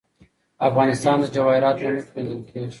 افغانستان د جواهرات له مخې پېژندل کېږي.